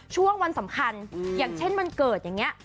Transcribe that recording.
ช่วงวันสำคัญอย่างเช่นวันเกิดอย่างนี้